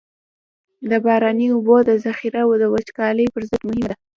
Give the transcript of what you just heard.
د باراني اوبو ذخیره د وچکالۍ پر ضد مهمه ده.